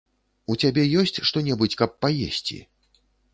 У цябе ёсць што-небудзь, каб паесці?